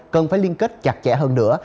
cần phải liên kết chặt chẽ hơn nữa